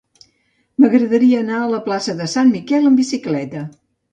M'agradaria anar a la plaça de Sant Miquel amb bicicleta.